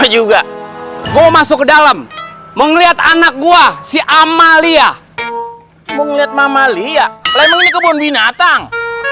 juga mau masuk ke dalam menglihat anak gua si amalia menglihat mama lia kebun binatang